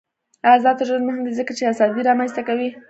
آزاد تجارت مهم دی ځکه چې ازادي رامنځته کوي.